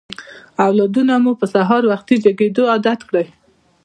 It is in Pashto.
اولادونه مو په سهار وختي جګېدو عادت کړئ.